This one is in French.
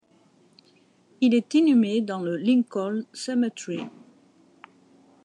Il est inhumé dans le Lincoln Cemetery.